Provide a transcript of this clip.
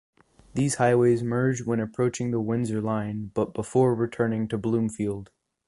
These highways merge when approaching the Windsor line but before returning to Bloomfield.